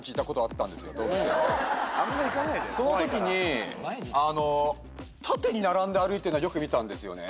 そのときに縦に並んで歩いてんのはよく見たんですよね。